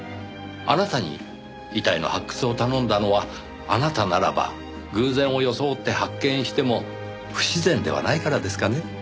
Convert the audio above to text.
あなたに遺体の発掘を頼んだのはあなたならば偶然を装って発見しても不自然ではないからですかね？